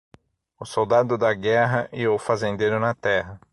O soldado da guerra e o fazendeiro na terra.